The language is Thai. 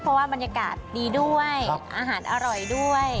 เพราะว่าบรรยากาศดีด้วยอาหารอร่อยด้วย